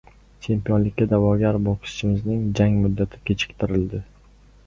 Chempionlikka da’vogar bokschimizning jang muddati kechiktirildi